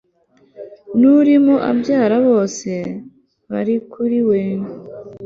n urimo abyara bose bari kuri we